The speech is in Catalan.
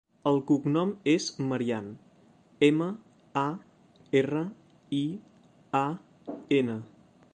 El cognom és Marian: ema, a, erra, i, a, ena.